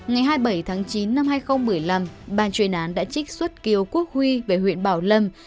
ngày hai mươi bảy tháng chín năm hai nghìn một mươi năm ban chuyên án đã trích xuất kiều quốc huy về huyện bảo lâm